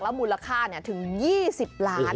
มูลค่าถึง๒๐ล้าน